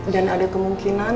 dan ada kemungkinan